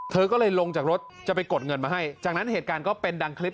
เธอก็เลยลงจากรถจะไปกดเงินมาให้จากนั้นเหตุการณ์ก็เป็นดังคลิป